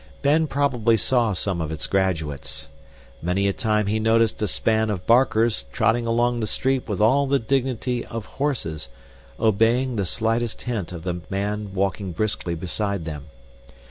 Ben probably saw some of its graduates. Many a time he noticed a span of barkers trotting along the street with all the dignity of horses, obeying the slightest hint of the man walking briskly beside them.